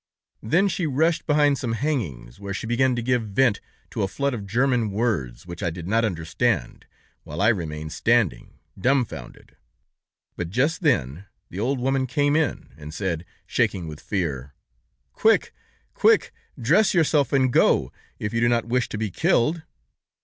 Then, she rushed behind some hangings, where she began to give vent to a flood of German words, which I did not understand, while I remained standing, dumbfounded. But just then, the old woman came in, and said, shaking with fear: 'Quick, quick; dress yourself and go, if you do not wish to be killed.'